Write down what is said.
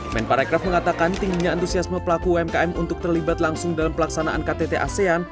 men parekraf mengatakan tingginya antusiasme pelaku umkm untuk terlibat langsung dalam pelaksanaan ktt asean